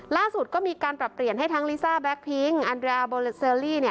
ล่าสุดก็มีการปรับเปลี่ยนให้ทั้งลิซ่าแก๊กพิงอันดราโบเซอรี่